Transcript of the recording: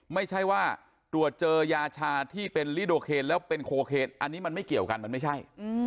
ไม่ใช่ว่าตรวจเจอยาชาที่เป็นลิโดเคนแล้วเป็นโคเคนอันนี้มันไม่เกี่ยวกันมันไม่ใช่